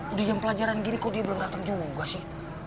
udah jam pelajaran gini kok dia belum datang juga sih